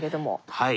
はい。